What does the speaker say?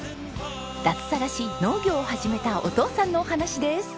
脱サラし農業を始めたお父さんのお話です。